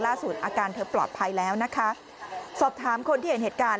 อาการเธอปลอดภัยแล้วนะคะสอบถามคนที่เห็นเหตุการณ์